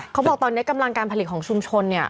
เขาบอกว่ากำลังการผลิตในชุมชน